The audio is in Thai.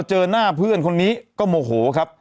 เจอหน้าเพื่อนคนนี้ก็โมโหครับ